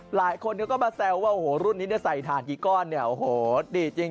หลายคนเขาก็มาแซวว่าโอ้โหรุ่นนี้จะใส่ถาดกี่ก้อนเนี่ยโอ้โหดีจริง